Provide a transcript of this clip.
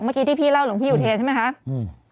เมื่อกี้ที่พี่เล่าหลวงพี่อุเทรใช่ไหมคะอืม